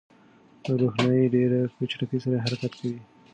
روښنايي ډېر په چټکۍ سره حرکت کوي.